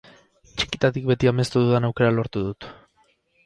Txikitatik beti amestu dudan aukera lortu dut.